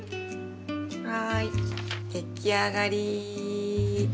はい出来上がり！